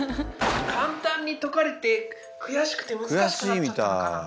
簡単に解かれて悔しくて難しくなっちゃったのかな。